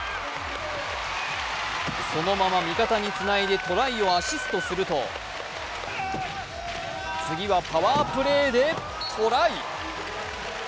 そのまま味方につないでトライをアシストすると次はパワープレーでトライ。